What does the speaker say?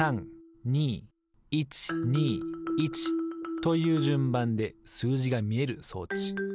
この４３２１２１というじゅんばんですうじがみえる装置。